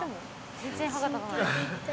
全然歯が立たない。